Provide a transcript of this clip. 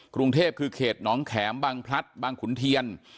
กรุงเทพคือเขตน้องแขมบางพลัดบางขุนเทียน